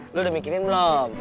lo udah mikirin belum